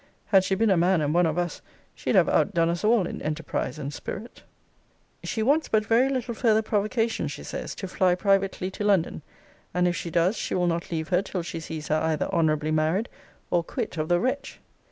Had she been a man, and one of us, she'd have outdone us all in enterprise and spirit. * See Vol. IV. Letter X. 'She wants but very little farther provocation,' she says, 'to fly privately to London. And if she does, she will not leave her till she sees her either honourably married, or quit of the wretch.'